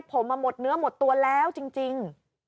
ผมหมดเนื้อหมดตัวแล้วจริง